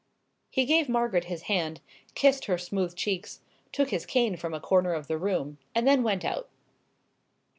He gave Margaret his hand, kissed her smooth cheeks, took his cane from a corner of the room, and then went out.